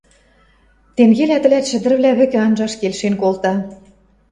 Тенгелӓ тӹлӓт шӹдӹрвлӓ вӹкӹ анжаш келшен колта...